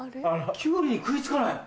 キュウリに食い付かない。